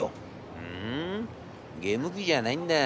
『ふんゲーム機じゃないんだ。